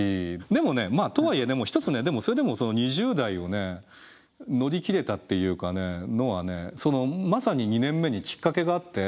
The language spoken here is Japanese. でもねまあとはいえ一つねそれでもその２０代を乗り切れたっていうのはねまさに２年目にきっかけがあって。